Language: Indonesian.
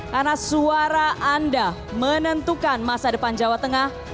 karena suara anda menentukan masa depan jawa tengah